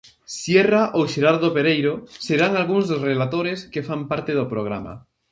Sierra ou Xerardo Pereiro serán algúns dos relatores que fan parte do programa.